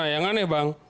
nah yang aneh bang